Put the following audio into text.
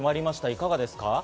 いかがですか？